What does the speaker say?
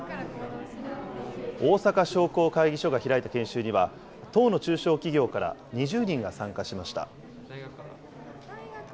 大阪商工会議所が開いた研修には、１０の中小企業から２０人が参加しました。